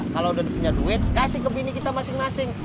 kalau udah punya duit kasih ke bini kita masing masing